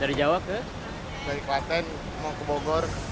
dari klaten mau ke bogor